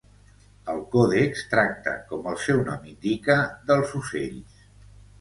El còdex tracta, com el seu nom indica, dels ocells.